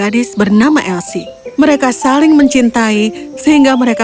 dia mencintai dia